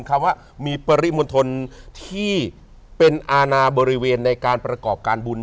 คำว่ามีปริมณฑลที่เป็นอาณาบริเวณในการประกอบการบุญ